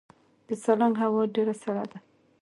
د سالنګ هوا ډیره سړه ده